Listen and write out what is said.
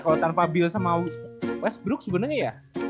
kalau tanpa bill sama westbrook sebenarnya ya